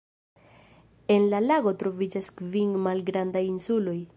En la lago troviĝas kvin malgrandaj insuloj.